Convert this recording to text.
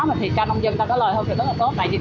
mà thì cho nông dân người ta có lời thôi thì rất là tốt